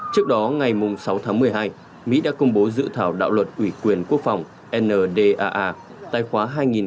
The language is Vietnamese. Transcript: trước đó ngày sáu tháng một mươi hai mỹ đã công bố dự thảo đạo luật ủy quyền quốc phòng ndaa tài khoá hai nghìn một mươi năm